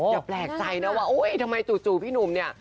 อย่าแปลกใจนะว่าทำไมจู่พี่หนุ่มเนี่ย